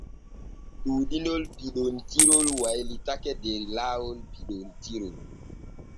Ɗuuɗinol piɓontirol waylataako der laawol piɓontirol.